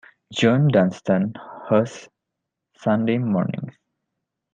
Jon Dunstan hosts Sunday mornings.